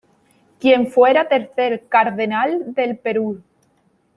Quien fuera tercer Cardenal del Perú.